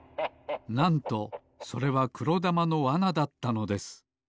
なんとそれはくろだまのわなだったのです。